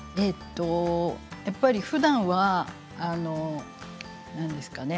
やっぱりふだんは何ですかね